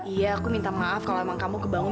iya aku minta maaf kalau emang kamu kebangun